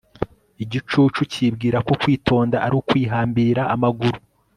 igicucu cyibwira ko kwitonda ari ukwihambira amaguru